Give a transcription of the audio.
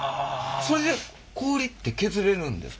それで氷って削れるんですか？